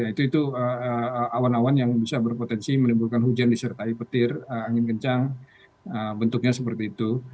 itu awan awan yang bisa berpotensi menimbulkan hujan disertai petir angin kencang bentuknya seperti itu